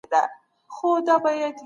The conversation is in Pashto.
مېز څېړنه د اسنادو تحلیل دئ.